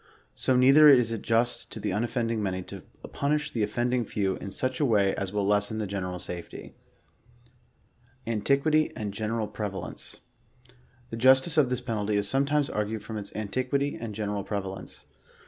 So neither is it just to the unoffending many, to punish the of fending few in such a way as will lessen the general safety. ANTIQUITY AND GENERAL PREVALENCE. The justice of this penalty is sometimes argued from its anti quity and general prevalence.